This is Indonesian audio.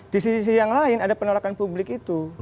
di sisi yang lain ada penolakan publik itu